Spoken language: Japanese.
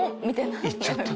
行っちゃった。